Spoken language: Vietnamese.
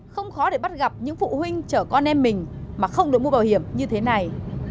không khó để bắt gặp những phụ huynh chở con em mình mà không được mua bảo hiểm như thế này